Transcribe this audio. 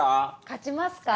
勝ちますか？